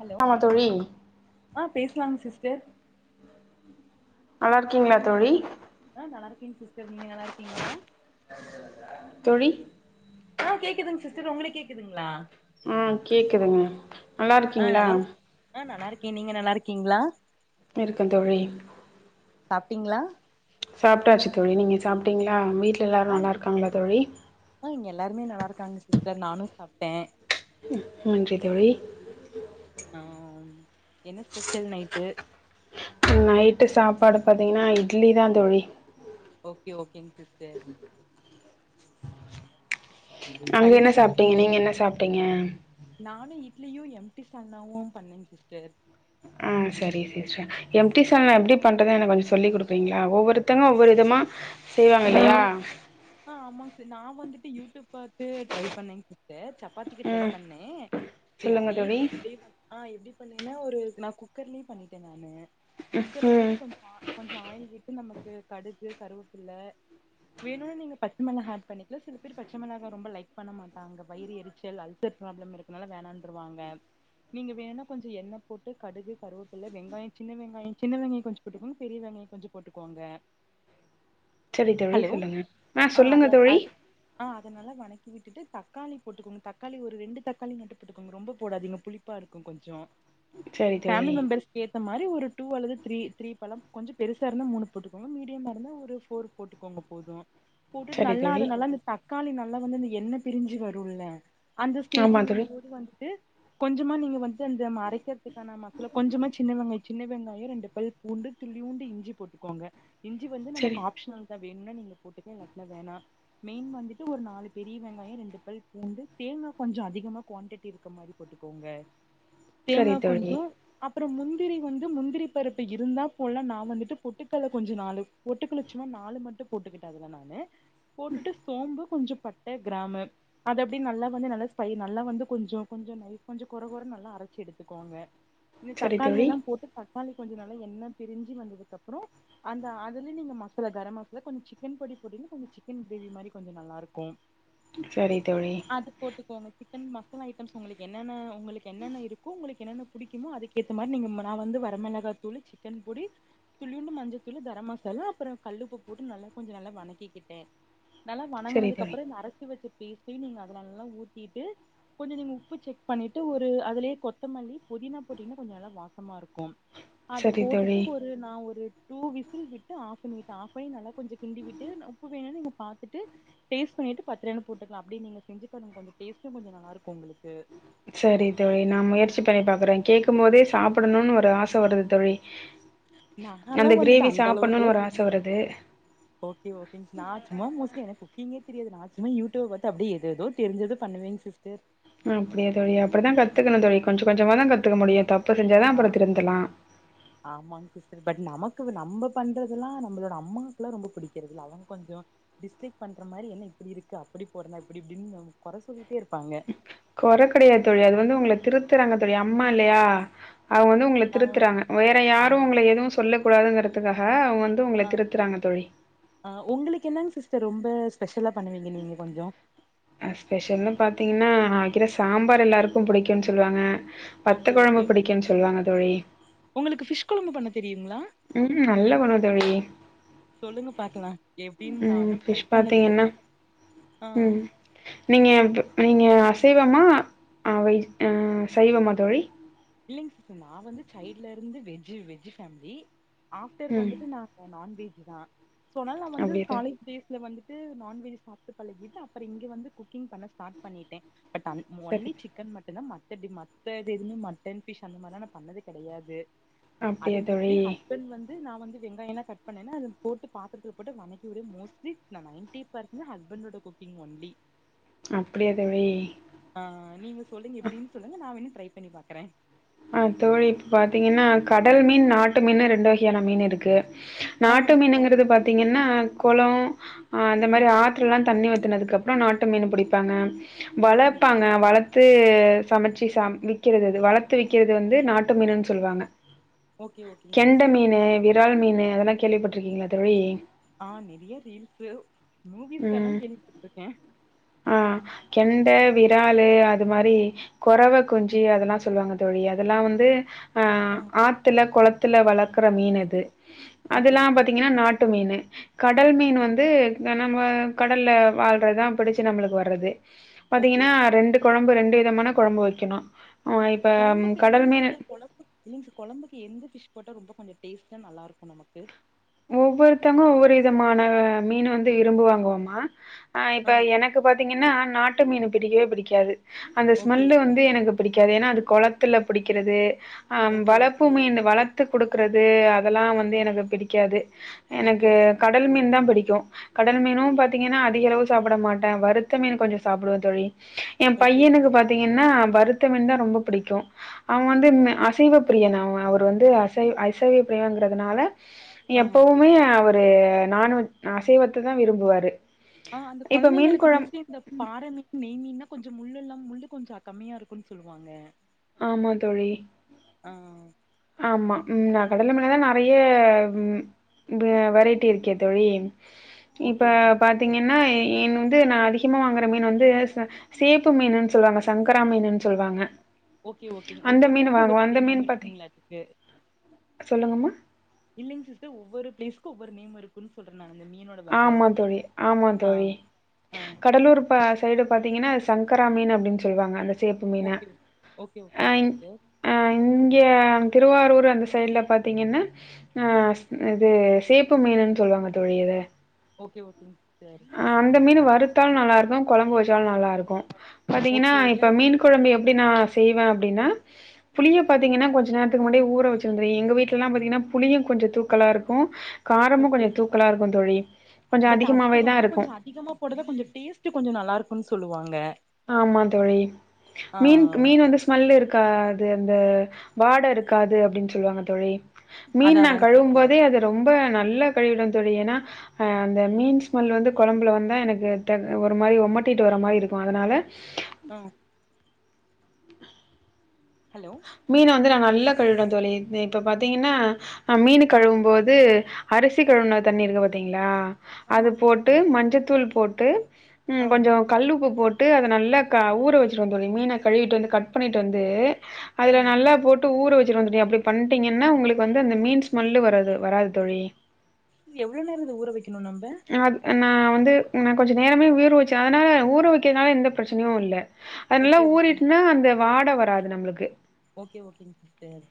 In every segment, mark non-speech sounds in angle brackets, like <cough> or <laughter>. Hello ஆமா தோழி ஆ பேஸ்லாங் சிஸ்டர் நல்லா இருக்கீங்களா தோழி ஆ நல்லா இருக்கேங் சிஸ்டர் நீங்க நல்லா இருக்கீங்களா தோழி ஆ கேக்குதுங்க சிஸ்டர் உங்களுக்கு கேக்குதுங்களா ம் கேக்குதுங்க நல்லா ஆ இருக்கீங்களா நல்லா இருக் ஆ நல்லா இருக்கே நீங்க நல்லா இருக்கீங்களா இருக்கே தோழி சாப்டீங்களா சாப்பிட்டாச்சு தோழி நீங்க சாப்டீங்களா வீட்டில எல்லாரூ ஆ நல்லா இருக்காங்களா தோழி ஆ இங்க எல்லாருமே நல்லா இருக்காங்க சிஸ்டர் நானூ சாப்ட்டே ம் செரி தோழி ஆ என்ன ஸ்பெஷல் நைட்டு நைட்டு சாப்பாடு பார்த்திங்ன்னா இட்லி தா தோழி ஓகே ஓகேங் சிஸ்டர் அங்க என்ன சாப்பிட்டீங்க நீங்க என்ன சாப்டிங்க நானூ இட்லீயூ எம்டி சென்னாவூ பண்ணேங்க சிஸ்டர் ஆ சரி சிஸ்டர் எம்டி சனா எப்டி பண்றத எனக்கு கொஞ்சொ சொல்லி கொடுக்கறீங்களா ஒவ்வொருத்தரூ ஒவ்வொரு விதமா செய்வோம் இல்லயா அ ஆமாங்க சிஸ் நா வந்துட்டு யூடியூப் பாத்து ட்ரை பண்ணேங் சிஸ்டர் சப் பார்ட்டிக்கு ட்ரை ம் பண்ணே பிற சொல்லுங்க அதே தோழி இப் <unintelligible> அ எப்டி பண்ணீங்ன்னா ஒரு நா குக்கர்லயே பண்ணிட்டே நானு குக்கர்ல ம் வந்துட்டு கொஞ்சொ கொஞ்சொ ஆயில் விட்டு நமக்கு கடுகு கருவேப்புள்ள வேணுனா நீங் பச்ச மிளகா ஆட் பண்ணிக்கலா சில பேர் பச்ச மிளகா ரொம்ப லைக் பண்ண மாட்டாங்க வயிறு எரிச்சல் அல்சர் ப்ராப்ளம் இருக் துனால வேணான்றுவாங்க நீங்க வேணுனா கொஞ்சோ எண்ண போட்டு கடுகு கருவேப்புல வெங்காயோ சின்ன வெங்காயோ சின்ன வெங்காயோ கொஞ்சோ போட்டுக்கோங் பெரிய வெங்காயோ கொஞ்சொ போட்டுக்கோங்க சரி தோழி சொல்லுங்க ஆ அ அது சொல்லுங்க அது தோழி அஹ் அ அத நல்லா வணக்கி விட்டுட்டு தக்காளி போட்டுக்கோங்க தக்காளி ஒரு ரெண்டு தக்காளி மட்டு போட்டுக்கோங்க ரொம்ப போடாதீங்க புளி ப்பா இருக்கு கொஞ்சோ சரி ஃபேமிலி தோழி மெம்பெர்ஸ் க்கு ஏத்த மாரி ஒரு டூ அல்லது த்ரீ த்ரீ பழம் கொஞ்ச பெருசா இருந்தா மூணு போட்டுக்கோங்க மீடியமா இருந்தா ஒரு ஃபோர் போட்டுக்கோங்க போது போட்டுட் சரி நல்லா தோழி அது நல்லா அந்த தக்காளி நல்லா வந்து அந்த எண்ணப் பிரிஞ்சு வருல்ல அந்த ஆமா தோழி ஸ்டேஜிங்கும் போது வந்துட்டு கொஞ்சமா நீங்க வந் து அந்த மரைக்கிறதுக்கான மசாலா கொஞ்சமா சின்ன வெங்காய் சின்ன வெங்காயோ ரெண்டு பல் பூண்டு துளியூண்டு இஞ்சி போட்டுக்கோங்க இஞ்சி வந்து சரி நமக்கு ஆப்ஷ்னல் தா வேணுனா நீங்க போட்டுக்லா இல்லாட்னா வேணா மெயின் வந்துட்டு ஒரு நாலு பெரிய வெங்காயோ ரெண்டு பல் பூண்டு தேங்கா கொஞ்சோ அதிகமா குவான்டிட்டி இருக்க மாரி போட்டுக்கோங்க சரி தேங்கா தோழி கொஞ்சோ அப்பறோ முந்திரி வந்து முந்திரி பருப்பு இருந்தாப் போல்லா நா வந்துட்டு பொட்டுக்கல்ல கொஞ்சோ நாலு பொட்டுக்கல்ல சும்மா நாலு மட்டு போட்டுக்கிட்ட அதுல நானு போட்டுட்டு சோம்பு கொஞ்சோ பட் ட கிராமு அது அப்டி நல்லா வந்து நல்லா ஸ்பை நல்லா வந்து கொஞ்சோ கொஞ்சோ நைஸ் கொஞ்சோ கொற கொறன்னு நல்லா அரச்சி எடுத்துக்கோங்க இந்த சரி தக்காளி தோழி எல்லா போட்டு தக்காளி கொஞ்சோ நல்லா எண்ண பிரிஞ்சு வந்ததுக்கப்றோ அந்த அதுலே நீங்க மசாலா கரம் மசாலா கொஞ்சோ சிக்கன் பொடி போட்டிங்னா கொஞ் சிக்கன் கிரேவி மாரி கொஞ்சோ நல்லாருக்கு சரி தோழி அது போட்டுக்கோங்க சிக்கன் மசலா ஐட்டம்ஸ் உங்களுக்கு என்னென்ன உங்களுக்கு என்னென்ன இருக்கோ உங்களுக்கு என்னென்ன புடிக்குமோ அதுக் கேத்த மாரி நீங்க ம நா வந்து வரமெளகாத் தூளு சிக்கன் பொடி துளியூண்டு மஞ்சத்தூளு கரம் மசாலா அப்றோ கல்லுப்பு போட்டு நல்லா கொஞ்சோ நல்லா வணக்கிக் கிட்ட நல்லா சரி வணங்குனதுக்கு தோழி அப்பறோ இந்த அரச்சி வச்ச பேஸ்ட்டையு நீங்க அது நல்லா ஊத்திட்டு கொஞ்சொ நீங்க உப்பு செக் பண்ணிட்டு ஒரு அதுலேயே கொத்தமல்லி புதினா போட்டீங்ன்னா கொஞ்சோ நல்லா வாசமா இருக்கும் அதுப் சரி தோழி போட்டுட்டு ஒரு நா ஒரு டூ விசில் விட்டு ஆஃப் பண்ணிட்ட ஆஃப் ஆயி நல்லா கொஞ்சோ கிண்டி விட்டு ந உப்பு வேணா நீங்க பாத்துட்டு டேஸ்ட் பண்ணிட்டு பத்தலன்னா போட்டுக்லா அப்டி நீங்க செஞ்சி பாருங்க கொஞ்சோ டேஸ்ட்டு கொஞ்சோ நல்லாருக்கு உங்களுக்கு சரி தோழி நா முயற்சி பண்ணி பாக்குற கேக்கும் போதே சாப்டனூன்னு ஒரு ஆச வருது தோழி நாலா அந்த வந்துட்டு கிரேவி அந்த சாப்பனுன் அளவுக்குலா ஒரு ஆச வருது ஓகே ஓகேங் ஸ் நா சும்மா மோஸ்லி எனக் குக்கிங்கே தெரியாது நா சும்மா யூடூப்ப பாத்து அப்டியே ஏதேதோ தெரிஞ்சத பண்ணுவேங் சிஸ்டர் அப்டியா தோழி அப்டி தா கத்துக்கணு தோழி கொஞ்ச கொஞ்சமா தா கத்துக்க முடியு தப்பு செஞ்சா தா அப்றோ திருந்தலா ஆமாங் சிஸ்டர் பட் நமக்கு வ நம்ம பண்றதுல்லா நம்பளோட அம்மாக்குல்லா ரொம்ப புடிக்குறதுல்ல அவுங்க கொஞ்சோ டிஸ்லைக் பண்ற மாரி என்ன இப்டி இருக்கு அப்டி போடுங்க இப்டி இப்டின்னு நம கொற சொல்லிட்டே இருப்பாங்க கொற கெடயாது தோழி அது வந்து உங்கள திருத்துறாங்க தோழி அம்மா இல்லயா அவுங்க வந்து உங்கள ஆ திருத்துறாங்க வேற யாரு ஆமா உங்கள எதுவு சொல்ல கூடாதுங்கறதுக்காக அவுங்க வந் து உங்கள ஆ திருத்துறாங்க தோழி ஆ உங்களுக்கு என்னங்க சிஸ்டர் ரொம்ப ஸ்பெஷலா பண்ணுவீங்க நீங்க கொஞ்சோ அ ஸ்பெஷல்ன்னு பாத்தீங்கனா நா வைக்கிற சாம்பார் எல்லாருக்கு புடிக்குன் சொல்லுவாங்க ஓகே வத்த கொழம்பு புடிக்கும்னு சொல்லுவாங்க தோழி ஒங்ளுக்கு ஃபிஷ் கொழம்பு பண்ண தெரியுங்ளா உம் நல்லா பண்ணுவ தோழி சொல்லுங்க பாக்கலா எப்டினு நா ம் இன்னும் ட்ரை ஃபிஷ் பாத்தீங்கன்னா பண்ணதில்லங் ம் நீங்க நீங்க அசைவமா ஆவை ம் சைவமா தோழி இல்லிங்க சிஸ்டர் நா வந்து சைள்ட்ல இருந்து வெஜ்ஜு வெஜ்ஜு ஃபேமிலி ஆஃப்டர் ம் வந்துட்டு நாங்க நான்வெஜ் தா சோ அதனால நா வந்து அப்டியா தோழி காலேஜ் பளேஸ்ல் வந்துட்டு நான்வெஜ் சாப்ட்டு பழகிட்டு அப்புற இங்கே வந்து குக்கிங் பண்ண ஸ்டார்ட் பண்ணிட்டேன் பட் அந் சரி. ஒன்லி சிக்கன் மட்டுதா மத்த அடி மத்தது எதையுமே ம ட்டன் ஃபிஷ் அந்த மாதிரிலா நா பண்ணது கெடையாது அது அப்டியா மோஸ்ட்லி தோழி? ஹஸ் பண்ட் வந்து நா வந்து வெங்காயம்லா கட் பண்ணேன்னா அதில் போட்டு பாத்துரத்ல போட்டு வணக்கி வுடு மோஸ்ட்லி நா நைன்டி பர்சன்ட் ஹஸ்பண்டோட குக்கிங் ஒன்லி அப்டியா தோழி ஆ நீங்க சொல்லுங்க எப்டினு சொல்லுங்க நா வேனா ட்ரை பண்ணி பாக்றே அஹ தோழி இப்ப பாத்தீங்கனா கடல் மீன் நாட்டு மீன்னு ரெண்டு வகையான மீன் இருக்கு ஆ ஓகே நாட்டுமீனுங்கிறது பாத்தீங்கனா கொளம் ஆ அந்த ம் மாரி ஆ த்துல்லலா தண்ணி வத்துனதுக்குப்புறம் நாட்டு மீன் புடிப்பாங்க ஓகேங் சிஸ் வளப்பாங்க வள த்து சமச்சி சா விக்கிறது வளத்து விக்கிறது வந்து நாட்டு மீனுன்னு சொல்லுவாங்க ஓகே ஓகேங் கெண்ட சிஸ்டர் மீனு விரால் மீன் அதெல்லா கேள்விப்பட்டிருக்கீங்ளா தோழி ஆ நெறைய ரீல்ஸ் மூவிஸ்ல எல்லா ம். கேள்விபட்டுருக்கே ஆ கெண்ட விராலு அது மாரி கொறவ குஞ்சு அதெல்லா சொல்லுவாங்க தோழி அதெல்லா வந்து அ ஆ ஆத்துல கொளத்துல வளக்குற மீன் அது ஓகே அதெல்லா ஓகேங் பாத்தீங்கனா சிஸ்டர் நாட்டு மீனு கடல் மீன் ஆ வந்து நம்ம கடல்ல வாழ்றதா புடிச்சு நம்மளுக்கு வர்ரது ஓகே பாத்தீங்கனா ஓகே ரெண்டு கொழம்பு ரெண்டு விதமான கொழம்பு வைக்கணும் ஆ இப்ப கடல் மீனு ப்ளிஸு கொழம்புக்கு எந்த ஃபிஷ் போட்டால் ரொம்ப கொஞ்சம் டேஸ்ட்டா நல்லாயிருக்கும் நமக்கு ஒவ்வொருத்தங்க ஒவ்வொரு விதமான மீன் வந்து விரும்புவாங்குவோமா ஆ இப்ப எனக் கு பாத்தீங்கனா நாட்டு மீன் பிடிக்கவே பிடிக்காது அந்த ஓகே ஸ்மெல்லு ஓகே வந்து எனக்கு பிடிக்காது ஏன்னா அது கொளத்துல புடிக்கிறது ஹ ஓகே வளப்பு ஓகே மீன் வளத்து குடுக் க்குறது அதெல்லா வந்து ஆ எனக்கு பிடிக்காது ஓகே எனக்கு ஓகே சிஸ்டர் கடல்மீன் தா பிடிக்கும் கடல் மீனும் பாத்தீங்கனா அதிக அளவு சாப்புட மாட்டே வருத்த மீன் கொஞ்சம் சாப்புடுவே தோழி எ ஓகே ஓகே பையனுக்கு பாத்தீங்கனா வருத்த மீன் தா ரொம்பொ புடிக்கும் அவெ வந்து இந்ந அசைவ பிரியன் அவெ அவரு வந்து அசைவ அசைவ பிரியங்கறதுனால ஆ எப்பவுமே அவரு நான்வெ அசைவத்த தா விரும்புவாரு ஆ அந்த இப்ப மீன் கொழந்தைங்களுக்கு குழம் மோஸ்ட்லி இந்த பார மீ நெய்மீன்னா கொஞ்சம் முள்ளல்லா முள்ளு கொஞ்சம் அ கம்மியா இருக்குனு சொல்லுவாங்க ஆமா தோழி ஆ ஆமா நா கடல மேலதா நெறைய இப்ப வெரைட்டி இருக்கே தோழி இப்ப ஓகே ஓகே பாத்தீங்கனா மீன் வந்து நா அதிகமா வாங்குற மீன் வந்து ச சேப்பு மீனுன்னு சொல்லுவாங்க சங்கரா மீனுன்னு சொல்லுவாங்க ஓகே ஓகே அந்த ஒவ்வொரு மீன் ஊருக்கும் ஒவ்வொரு வாங்குவோம். கிளே அந்த நேம் இருக்குங்ளா அதுக்கு சொல்லுங்கமா இல்லைங் சிஸ்டர் ஒவ்வொரு பிளேஸ்க்கு ஒவ்வொரு நேம் இருக் புன் சொல்றன் நானு அந்த மீனோட வக ஆமா தோழி, ஆ ஆ ட்ட சைடு பாத்தீங்கனா அத சங்கரா மீன் அப்டின்னு சொல்வாங்க அத சேப்பு மீன ஓகே ஓகே ஆ ஓகேங்க சிஸ்டர் அ இங்க திருவாரூரு அந்த சைட்ல பாத்தீங்கன்னா அ இது சேப்பு மீனுன் சொல்லுவாங்க தோழி இத ஓகே ஓகேங் தோழி அ அந்த மீனு வறுத்தாலு நல்லா இருக்கு கொழம்பு வச்சாலு நல்லா இருக்கு பாத்தீங்கன்னா ஓகே ஓகே அது இப்ப நீங்க மீன் கொழம்பு எப்டி நா செய்வே அப்டின்னா புளிய பாத்தீங்கன்னா கொஞ்ச நேரத்துக்கு முன்னடியே ஊற வச்சிரு தோழி எங்க வீட்லலா பாத்தீங்கன்னா புளியு கொஞ்சோ தூக்கலா இருக்கு காரமு கொஞ்சோ தூக்கலா இருக்கு தோழி கொஞ்சம் பட்டு அதுக்கு அதிகமாவே தான் வந்து இருக்கும். கொஞ்சோ அதிகமா போட்டா தா கொஞ்சோ டேஸ்ட் கொஞ்சோ நல்லா இருக்குன் சொல்லுவாங்க ஆமா தோழி ஆ மீன்கு மீன் வந்து ஸ்மல்லு இருக்காது அந்த வாட இருக்காது அப்டின் சொல்லுவாங்க தோழி மீன் அதா நா அதாங்க சிஸ்டர் கழுவும்போதே அது ரொம்ப நல்லா கழுவிடுவே தோழி ஏனா அ அந்த மீன் ஸ்மெல் வந்து கொழம்புல வந்தா எனக்கு ட ஒரு மாரி ஒமட்டிட்டு வர மாரி இருக்கு அதனால ம் ஹலோ மீன வந்து நா நல்லா கழுவிடுவே தோழி இப்ப பாத்தீங்கனா அ மீனு ஆ கழுவும்போது அரிசி கழுவுன தண்ணி இருக்கு பாத்தீங்களா அது ஆமாங்க போட்டு சிஸ்டர் மஞ்சதூள் போட்டு ம் ஆ கொஞ்சோ கல்லு உப்பு போட்டு அத நல்லா க ஊற வச்சிருவோ தோழி மீன கழுவிட்டு வந்து கட் பண்ணிட்டு வந்து ஆ அதுல நல்லா போட் ட்டு ஊற வச்சிட்டு வந்துட்டே அப்டி பண்டிங்கன்னா உங்களுக்கு வந்து அந்த மீன் ஸ்மெல்லு வராது வராது தோழி எவ்ள நேரோ அத ஊற வைக்கணு நம்ப அது நா வந்து நா கொஞ்ச நேரமே ஊற வைச்சே அதனால ஊற வைக்கறதுனால எந்த பிரச்சனையு இல்ல அது நல்லா ஓகே ஓகேங் ஊறிட்னா அந்த வாட வராது நம்ளுக்கு ஓகே ஓகேங் சிஸ்டர்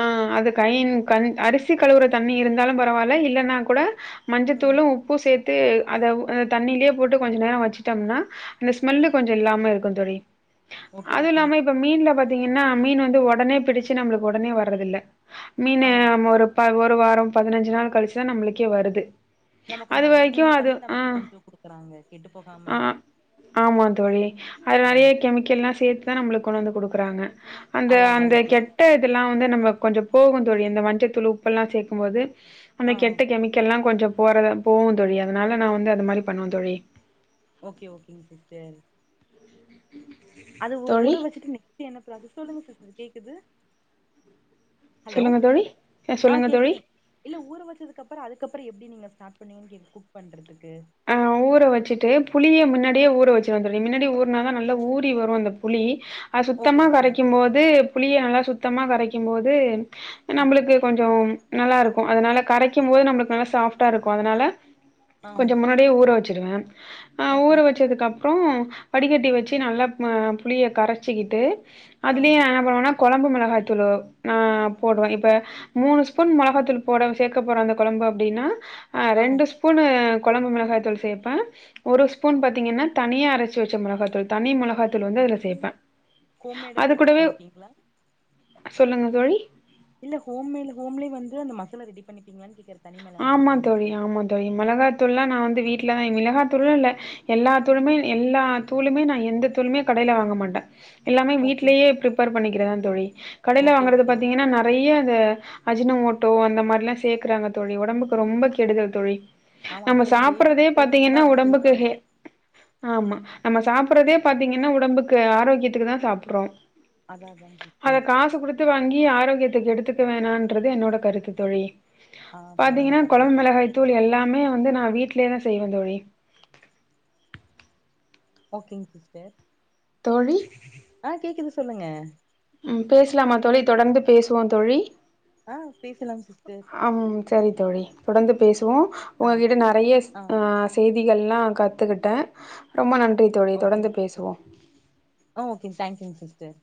ஆ அது கையின் க அரிசி கழுவுற தண்ணி இருந்தாலு பரவால்ல இல்லன்னா கூட ம் மஞ்சதூளு உப்பு சேத்து அத அ தண்ணிலே போட்டு கொஞ்சோ நேரோ வச்சிட்டம்னா அந்த ஸ்மெல்லு ம் கொஞ்சோ இல்லாம இருக்கு தோழி ஓகே அது ஓகேங் இல்லாம இப்ப மீன்ல பாத்தீங்கன்னா மீனு வந்து ஒடனே பிடிச்சி நம்மளுக் ஒடனே வர்றது இல்ல மீனு அதா ஒரு ப ஒரு வாரோ பதினஞ்சு நாள் கழிச்சி தா நம்ளுக்கே வருது நம்ம கொஞ்சோ அது வரைக்கு ஐஸ்சிங் அது பண்ணி ஆ நமக் கொஞ்சோ குடுக்குறாங்க கெட்டு போகாம ஆ ஆமா தோழி அது ஆ நறைய கெமிக்கல்லா சேத் து தா நம்ளுக்கு கொண்டு வந்து குடுக்குறாங்க அந்த அதா அந்த அதாங் கெட் சிஸ் கெட்ட இதல்லா வந்து நமக் கொஞ்சோ போகு தோழி இந்த மஞ்சதூள் உப்பு எல்லா சேக்கும்போது அந்த ஆ கெட்ட கெமிக்கெல்லா கொஞ்சோ போறத போவு தோழி அதனால நா வந்து அது மாரி பண்ணுவே தோழி ஓகே ஓகேங் சிஸ்டர் அது ஊ தோழி ஊற வச்சிட்டு நெக்ஸ்ட் என்ன பிராசஸ் சொல்லுங்க சிஸ்டர் கேக்குது ஹலோ சொல்லுங்க தோழி ஆ சொல்லுங்க தோழி கேக்குதுங் இல்ல ஊற வச்சதுக்கப்பற அதுக்கப்பற எப்டி நீங்க ஸ்டார்ட் பண்ணுவீங் கேக் குக் பண்றத்துக்கு அ ஊற வச்சிட்டு புளிய மின்னடியே ஊற வச்சிருவே தோழி மின்னடி ஊர்னாதா நல்லா ஊறி வரு அந்த புளி அ ஓகே சுத்தமா ஓகேங் கரைக்கும்போது புளிய நல்லா சுத்தமா கரைக்கும்போது நம்ளுக்கு கொஞ்சோ நல்லா இருக்கு அதனால கரைக்கு போது நம்ளுக்கு நல்லா சாஃப்டா இருக்கு அதனால கொஞ்ச முன்னாடியே ஊற வெச்சிருவே ஓகே ஊற லெச்சதுக்கு அப்புறோ வடிக்கட்டி வெச்சு நல்லா மா புளிய கரச்சிக்கிட்டு அதுலையு ஆம் நா என்ன பண்ணுவேனா கெழம்பு மெளகா தூளு நா போடுவே இப்ப மூணு ஸ்பூன் மெளகாதூள் போட சேர்க்க போற அந்த கொழம்பு அப்டின்னா அ ஆ ரெண்டு ஸ்பூன்னு கொழம்பு மெளகா தூள் சேப்பே ஒரு ஸ்பூன் பாத்தீங்கன்னா தனியா அரச்சு வெச்ச மொளகாத்தூள் தனி மொளகாத்தூள் வந்து அதுல சேப்பே ஹோம்மேட்டா அது ப்ரிப்பர் கூடவே பண்ணிப்பிங்களா சொல்லுங்க தோழி இல்ல ஹோமில ஹோம்லே வந்து அந்த மசாலா ரெடி பண்ணப்பீங்களான்னு கேக்குறே ஆமா தோழி ஆமா தோழி மெளகாய்த்தூள் எல்லா நா வந்து வீட்லதா மெளகாத்தூளு இல்ல எல்லா தூளுமே எல்லா தூளுமே நா எந்த தூளுமே கடையில வாங்க மாட்டே எல்லாமே ஓகே ஓ வீட்லேயே பிப்பேர் பண்ணிக்கிறதா தோழி கடையில ஓகே வாங்குறது ஓகேங் பாத்தீங்கன்னா நா நிறைய அத அஜினமேட்டே றைய அந்த அஜினமோட்டோ அந்த மாரிலா சேக்குறாங்க தோழி ஒடம்புக்கு ரொம்ப கெடுதல் தோழி ஆமா நம்ம அது அது சாப்புறதே பேபிஸ்க்கெல்லா ரொம்ப பாத்தீங்கன்னா ஒடம்புக்கு ஹெ அன்ஹெல்திம்பாங்க ஆமா நம்ம சாப்புறதே பாத்தீங்கன்னா உடம்புக்கு ஆரோக்கியத்துக்கு தா சாப்புறோ அதா அதாங் அது சிஸ்டர் காசு குடு எடுத்து வாங்கி ஆரோக்கியத்த கெடுத்துக்க வேணான்றது என்னோட கருத்து தோழி ஆ பரவால்ல பாத்தீங்கன்னா பரவால்ல கொழம்பு மெளகாய் தூள் எல்லாமே வந்து நா வீட்லே வந்து தா செய்வே தோழி ஓகேங்க சிஸ்டர் தோழி ஆ கேக்குது சொல்லுங்க ம் பேச்லாமா தோழி தொடர்ந்து பேசுவோ தோழி ஆ பேசலாம் சிஸ்டர் ஆம் சரி தோழி தொடர்ந்து பேசுவோ ஆ ஒங்க கிட்ட நறைய ஆ செய்திகள்லா கத்துக்கிட்டே ரொம்ப நன்றி தோழி ஓகேங் தொடர்ந்து சிஸ்டர் பேசுவோ ஆ ஓகேங்க தேங்க் யூங் சிஸ்டர்